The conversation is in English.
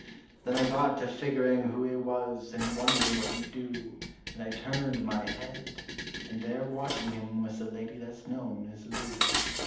Then I got to figgering who he was, and wondering what he'd do, And I turned my head and there watching him was the lady that's known as Lou.